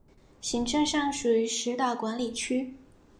行政上属于石岛管理区。